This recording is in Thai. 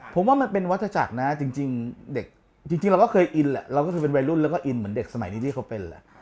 ผมว่ามันเป็นวัฒนาจักรนะจริงเด็กจริงเราก็เคยอินแหละเราก็เคยเป็นวัยรุ่นแล้วก็อินเหมือนเด็กสมัยนี้ที่เขาเป็นแหละ